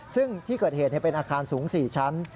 ซึ่งที่เกิดเหตุเป็นอาคารสูง๔ชั้น